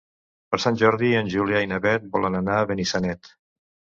Per Sant Jordi en Julià i na Beth volen anar a Benissanet.